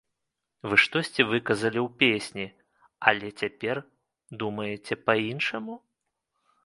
Вы штосьці выказалі ў песні, але цяпер думаеце па-іншаму?